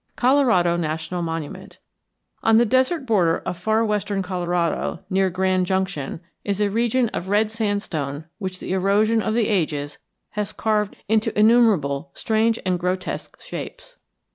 COLORADO NATIONAL MONUMENT On the desert border of far western Colorado near Grand Junction is a region of red sandstone which the erosion of the ages has carved into innumerable strange and grotesque shapes.